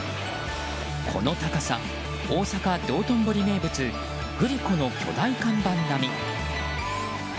この高さ大阪・道頓堀名物グリコの巨大看板並み。